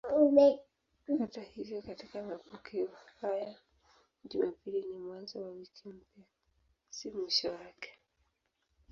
Hata hivyo katika mapokeo hayo Jumapili ni mwanzo wa wiki mpya, si mwisho wake.